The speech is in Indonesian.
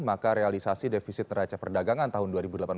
maka realisasi defisit neraca perdagangan tahun dua ribu delapan belas